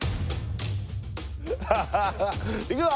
ハハハいくぞ！